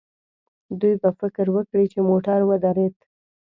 دوی به فکر وکړي چې موټر ودرېد.